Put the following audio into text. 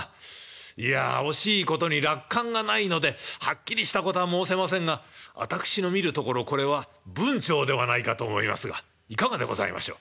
いや惜しいことに落款がないのではっきりしたことは申せませんが私の見るところこれは文晁ではないかと思いますがいかがでございましょう？